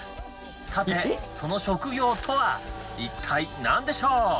さて、その職業とはいったい何でしょう？